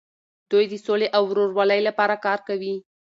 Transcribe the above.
دوی د سولې او ورورولۍ لپاره کار کوي.